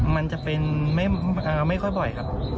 มันจะเป็นไม่ค่อยบ่อยครับ